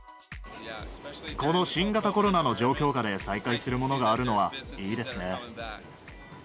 この新型コロナの状況下で再開するものがあるのは、いいですね。